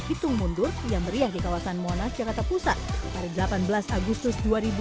hitung mundur yang meriah di kawasan monas jakarta pusat pada delapan belas agustus dua ribu dua puluh